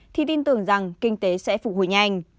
thì tin tưởng rằng kinh tế sẽ phục hồi nhanh